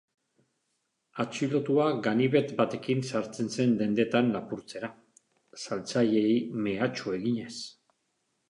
Atxilotua ganibet batekin sartzen zen dendetan lapurtzera, saltzaileei mehatxu eginez.